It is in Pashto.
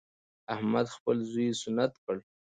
احمد خپل زوی سنت کړ.